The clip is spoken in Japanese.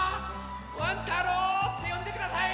「ワン太郎」ってよんでください！